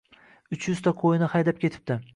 Uch yuzta qo‘yini haydab ketibdi